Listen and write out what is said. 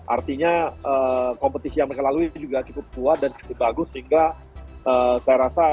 artinya kompetisi yang mereka lalui juga cukup kuat dan cukup bagus sehingga saya rasa